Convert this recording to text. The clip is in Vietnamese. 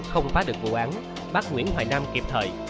không phá được vụ án bắt nguyễn hoài nam kịp thời